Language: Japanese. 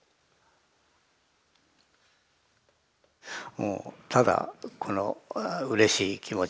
もうただこのうれしい気持ちを弾きます。